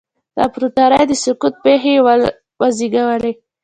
د امپراتورۍ د سقوط پېښې یې وزېږولې